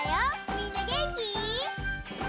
みんなげんき？